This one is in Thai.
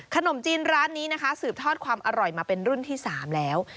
ขนมจีนร้านนี้นะคะสืบทอดความอร่อยมาเป็นรุ่นที่๓แล้ว